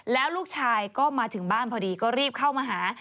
แล้วลูกชายก็มาถึงบ้านพอดีก็รีบเข้ามาหา